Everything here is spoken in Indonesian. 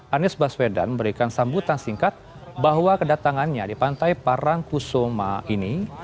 anies baswedan memberikan sambutan singkat bahwa kedatangannya di pantai parangkusoma ini